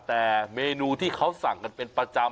แต่เมนูที่เขาสั่งกันเป็นประจำ